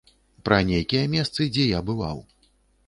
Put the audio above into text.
Пра нейкія месцы, дзе я бываў.